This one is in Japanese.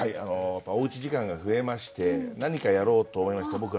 おうち時間が増えまして何かやろうと思いまして